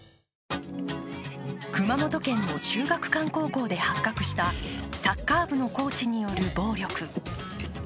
熊本県の秀岳館高校で発覚したサッカー部のコーチによる暴力。